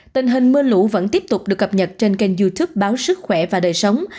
tình hình mưa lũ vẫn tiếp tục được cập nhật trên kênh youtube báo sức khỏe và đời sống